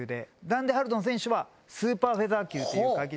ダンテ・ハルドン選手はスーパーフェザー級という階級。